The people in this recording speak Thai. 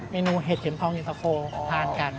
เมนูเห็ดเข็มทองเย็นตะโฟทานกัน